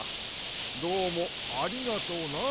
どうもありがとうな。